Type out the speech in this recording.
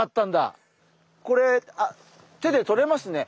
これ手でとれますね。